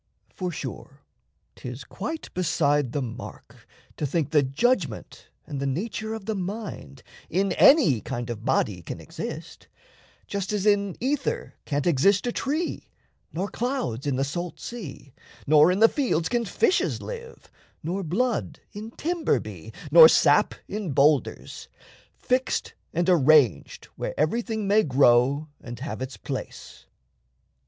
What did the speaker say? For sure 'tis quite beside the mark to think That judgment and the nature of the mind In any kind of body can exist Just as in ether can't exist a tree, Nor clouds in the salt sea, nor in the fields Can fishes live, nor blood in timber be, Nor sap in boulders: fixed and arranged Where everything may grow and have its place.